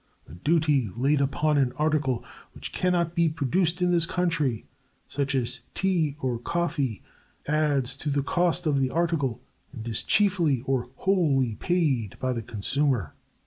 A duty laid upon an article which can not be produced in this country, such as tea or coffee, adds to the cost of the article, and is chiefly or wholly paid by the consumer.